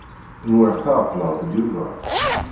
Nwiɣ tɛeqleḍ-d Yuba.